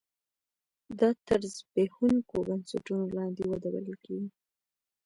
دا تر زبېښونکو بنسټونو لاندې وده بلل کېږي.